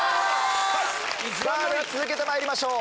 さぁでは続けてまいりましょう。